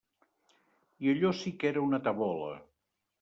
I allò sí que era una tabola.